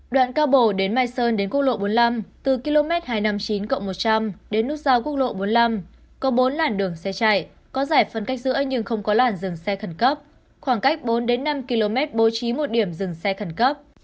đoạn cao bồ đến mai sơn đến quốc lộ bốn mươi năm từ km hai trăm năm mươi chín cộng một trăm linh đến nút giao quốc lộ bốn mươi năm có bốn làn đường xe chạy có giải phân cách giữa nhưng không có làn dừng xe khẩn cấp khoảng cách bốn năm km bố trí một điểm dừng xe khẩn cấp